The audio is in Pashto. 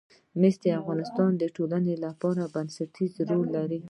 مس د افغانستان د ټولنې لپاره بنسټيز رول لري.